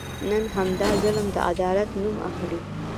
نن همدا ظلم د عدالت نوم اخلي.